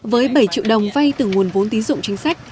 với bảy triệu đồng vay từ nguồn vốn tín dụng chính sách